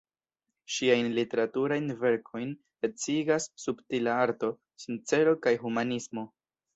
Ŝiajn literaturajn verkojn ecigas subtila arto, sincero kaj humanismo.